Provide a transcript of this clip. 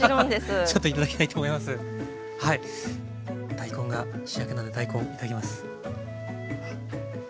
大根が主役なので大根いただきます。